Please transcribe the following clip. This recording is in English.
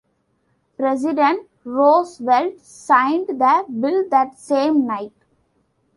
President Roosevelt signed the bill that same night.